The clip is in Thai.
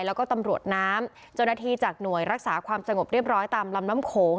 แล้วก็ตำรวจน้ำเจ้าหน้าที่จากหน่วยรักษาความสงบเรียบร้อยตามลำน้ำโขง